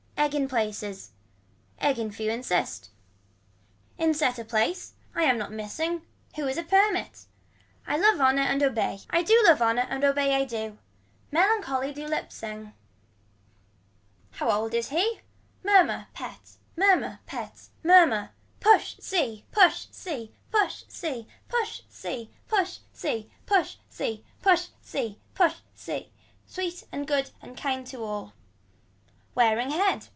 Egg in places. Egg in few insists. In set a place. I am not missing. Who is a permit. I love honor and obey I do love honor and obey I do. Melancholy do lip sing. How old is he. Murmur pet murmur pet murmur. Push sea push sea push sea push sea push sea push sea push sea push sea. Sweet and good and kind to all. Wearing head.